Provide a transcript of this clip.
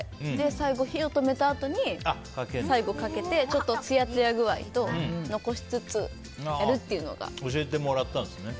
最後火を止めたあとに最後、かけてちょっとつやつや具合を教えてもらったんですね。